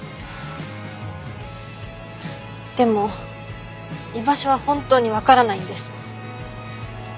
でも居場所は本当にわからないんです。